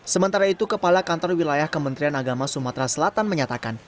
sementara itu kepala kantor wilayah kementerian agama sumatera selatan menyatakan